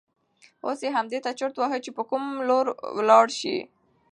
اوس یې همدې ته چرت واهه چې په کوم لور ولاړ شي.